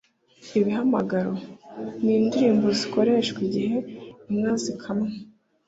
Ibihamagaro: Ni indirimbo zikoreshwa igihe inka zikamwa